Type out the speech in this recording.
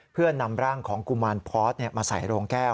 เพื่อนำร่างของกุมารพอร์ตมาใส่โรงแก้ว